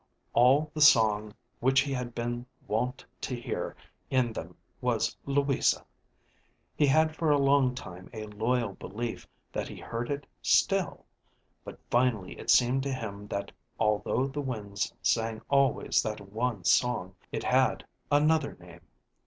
All the song which he had been wont to hear in them was Louisa; he had for a long time a loyal belief that he heard it still, but finally it seemed to him that although the winds sang always that one song, it had another name.